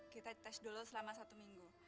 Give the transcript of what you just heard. kita tes dulu selama satu minggu